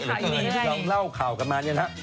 เราเล่าข่าวกันมาเนี่ยนะ